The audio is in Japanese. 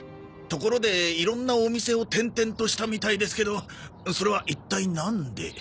ところでいろんなお店を転々としたみたいですけどそれは一体なんで？